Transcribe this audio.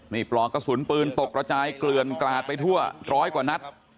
นี่ปลอกกระสุนปืนตกระจายเกลือนกลาดไปทั่วร้อยกว่านัด